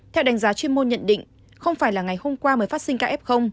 theo đánh giá chuyên môn nhận định không phải là ngày hôm qua mới phát sinh kf